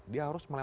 dia harus dipercaya